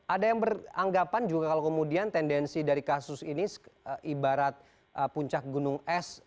ada yang beranggapan juga kalau kemudian tendensi dari kasus ini ibarat puncak gunung es